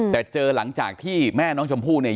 แต่เจอหลังจากที่แม่น้องชมพู่เนี่ย